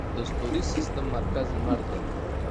د ستوریز سیستم مرکز لمر دی